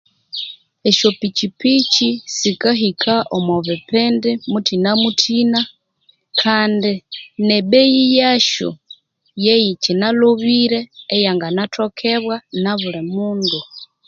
Ashyopikipiki sikahika omubipindi muthinamuthina Kandi nebeyi yasho yeyikinalhobire yeyanganathokebwa nobulimundu